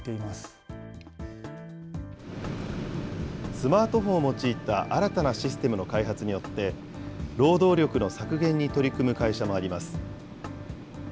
スマートフォンを用いた新たなシステムの開発によって労働力の削減に取り組む会社もあります。